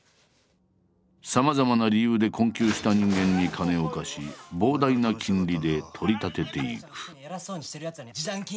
さまざまな理由で困窮した人間に金を貸し膨大な金利で取り立てていく。